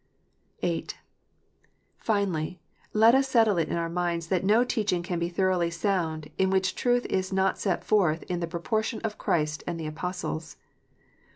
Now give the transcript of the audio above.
(8) Finally, let us settle it in our minds that no teaching can be thoroughly sound, in which truth is not set forth in the proportion of Clirist and the Apostles.